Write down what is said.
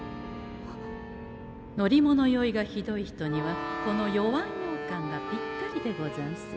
乗り物酔いがひどい人にはこの「酔わんようかん」がぴったりでござんす。